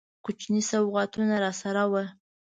کوچني سوغاتونه راسره وه.